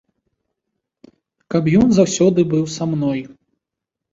Каб ён заўсёды быў са мной.